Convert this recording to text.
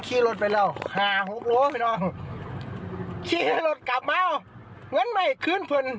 ขี้รถกลับมางั้นไหมคืนเพลิน